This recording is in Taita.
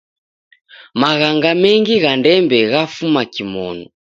Maghanga mengi gha ndembe ghafuma kimonu.